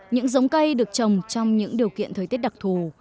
những giống cây được trồng trong những điều kiện thời tiết đặc thù